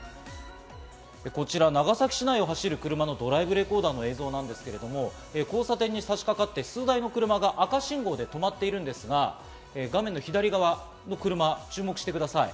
こちら、長崎市内を走る車のドライブレコーダーの映像ですけれども、交差点に差しかかって、数台の車が赤信号で止まっていますが、画面左側の車、注目してください。